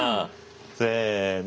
せの。